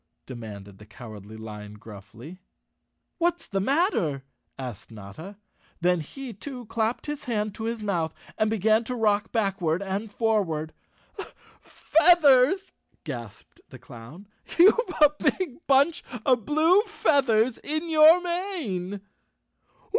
demanded the Cowardly Lion gruffly. "What's the matter?" asked Notta. Then he too clapped his hand to his mouth and began to rock back¬ ward and forward. " Feathers 1" gasped the clown, "You've a big bunch of blue feathers in your mane!"